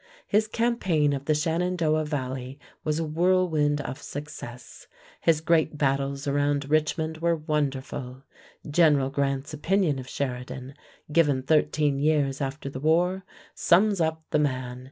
His campaign of the Shenandoah Valley was a whirlwind of success. His great battles around Richmond were wonderful. General Grant's opinion of Sheridan, given thirteen years after the war, sums up the man.